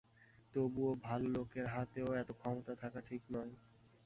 তবুও ভাল লোকের হাতেও এত ক্ষমতা থাকা ঠিক নয়।